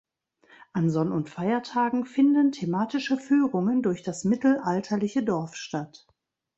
An Sonn- und Feiertagen finden thematische Führungen durch das mittelalterliche Dorf statt.